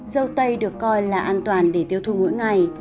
dâu tây được coi là an toàn để tiêu thụ mỗi ngày